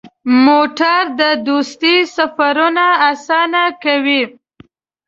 موټر د دوستۍ سفرونه اسانه کوي.